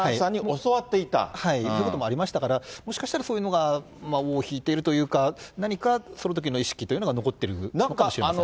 そういうこともありましたから、もしかしたらそういうのが尾を引いているというか、何か、そのときの意識というのが残ってるのかもしれません。